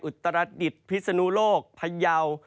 อุตรดิษฐ์พิศนุโลกพยาว